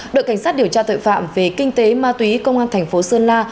đội cảnh sát điều tra tội phạm về kinh tế ma túy công an thành phố sơn la